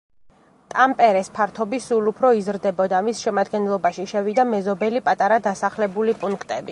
ტამპერეს ფართობი სულ უფრო იზრდებოდა, მის შემადგენლობაში შევიდა მეზობელი პატარა დასახლებული პუნქტები.